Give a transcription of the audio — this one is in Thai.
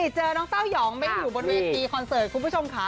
เจอน้องเต้ายองเม้งอยู่บนเวทีคอนเสิร์ตคุณผู้ชมค่ะ